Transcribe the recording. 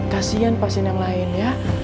kasian pasien yang lain ya